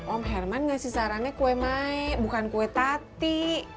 om herman ngasih sarannya kue mai bukan kue tati